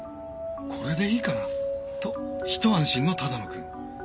「これでいいかな？」と一安心の只野くん。